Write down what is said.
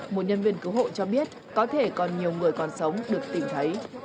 một nhân viên cứu hộ cho biết có thể còn nhiều người còn sống được tìm thấy